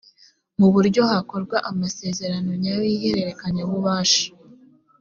muburyo hakorwa amasezerano nyayo y’ihererekanya bubasha